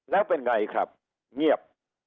แล้วเป็นไงครับเงียบ